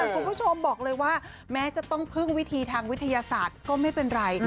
คุณผู้ชมบอกเลยว่าแม้จะต้องพึ่งวิธีทางวิทยาศาสตร์ก็ไม่เป็นไร